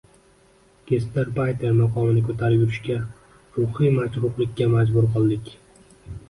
Gastarbayter maqomini ko‘tarib yurishga, ruhiy majruhlikka majbur qildik.